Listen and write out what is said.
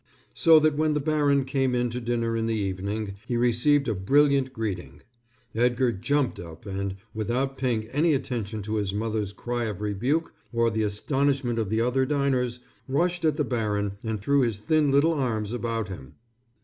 So that when the baron came in to dinner in the evening, he received a brilliant greeting. Edgar jumped up and, without paying any attention to his mother's cry of rebuke or the astonishment of the other diners, rushed at the baron and threw his thin little arms about him.